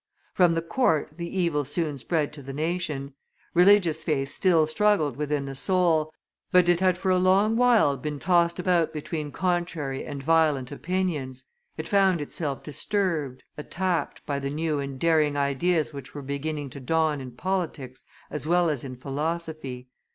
From the court the evil soon spread to the nation; religious faith still struggled within the soul, but it had for a long while been tossed about between contrary and violent opinions; it found itself disturbed, attacked, by the new and daring ideas which were beginning to dawn in politics as well as in philosophy.